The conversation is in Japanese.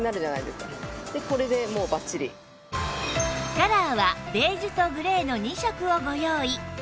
カラーはベージュとグレーの２色をご用意